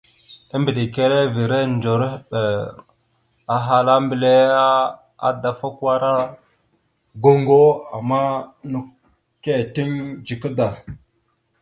Embədekerrevere ndzelehɓer ahala mbelle: « Adafakwara goŋgo, ama nakw « keeteŋ dzika da. ».